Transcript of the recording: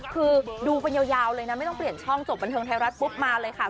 คือดูกันยาวเลยนะไม่ต้องเปลี่ยนช่องจบบันเทิงไทยรัฐปุ๊บมาเลยค่ะ